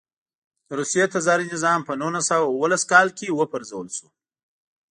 د روسیې تزاري نظام په نولس سوه اوولس کال کې و پرځول شو.